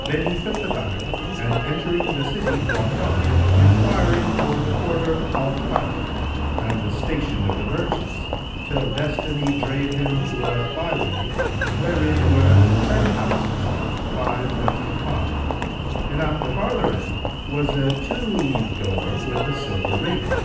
Then he took the bag and entering the city walked on, enquiring for the quarter Al Karkh and the station of the merchants, till Destiny drave him to a by way, wherein were ten houses, five fronting five, and at the farther end was a two leaved door with a silver ring.